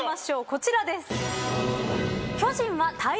こちらです。